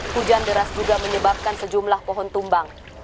hujan deras juga menyebabkan sejumlah pohon tumbang